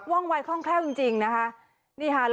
่องวัยคล่องแคล่วจริงนะคะ